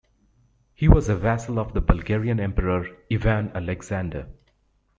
He was a vassal of the Bulgarian Emperor Ivan Alexander.